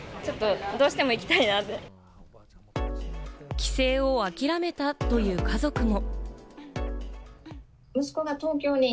帰省を諦めたという家族も。